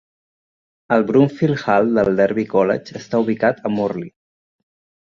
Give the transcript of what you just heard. El Broomfield Hall del Derby College està ubicat a Morley.